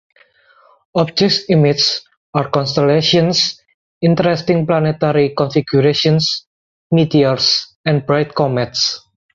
Objects imaged are constellations, interesting planetary configurations, meteors, and bright comets.